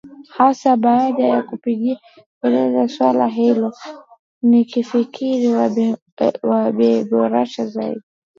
hasa baada ya kupigia kelele swala hilo nifikiri wameboresha zaidi